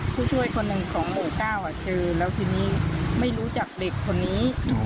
ผู้ช่วยคนหนึ่งของหมู่๙เจอแล้วทีนี้ไม่รู้จักเด็กคนนี้